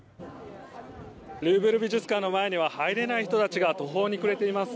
ルーブル美術館の前で入れない人たちが途方に暮れています。